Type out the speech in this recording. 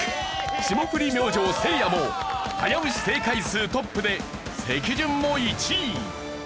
霜降り明星せいやも早押し正解数トップで席順も１位。